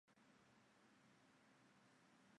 经费由美国供给。